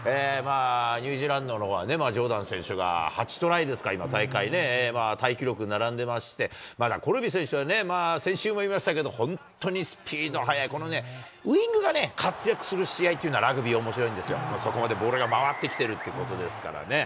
ニュージーランドのジョーダン選手が８トライですか、大会ね、タイ記録並んでまして、またコルビ選手はね、先週も言いましたけど、本当にスピード速い、このね、ウイングがね、活躍する試合っていうのは、ラグビーおもしろいんですよ、そこまでボールが回ってきてるということですからね。